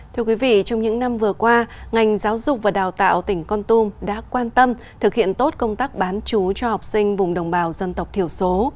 thưa quý vị trong những năm vừa qua ngành giáo dục và đào tạo tỉnh con tum đã quan tâm thực hiện tốt công tác bán chú cho học sinh vùng đồng bào dân tộc thiểu số